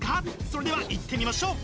それではいってみましょう！